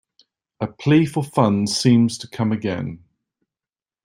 A plea for funds seems to come again.